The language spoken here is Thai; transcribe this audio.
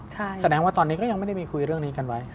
แสดงว่าตอนนี้ก็ยังไม่ได้มีคุยเรื่องนี้กันไว้